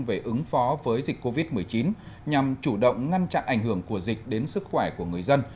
về ứng phó với dịch covid một mươi chín nhằm chủ động ngăn chặn ảnh hưởng của dịch đến sức khỏe của người dân